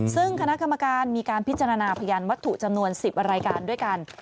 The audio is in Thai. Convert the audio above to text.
ซึ่งคณะกรรมการมีการพิจารณาพยานวัตถุจำนวน๑๐รายการด้วยกัน